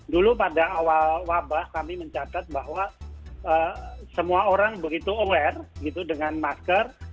dulu pada awal wabah kami mencatat bahwa semua orang begitu aware dengan masker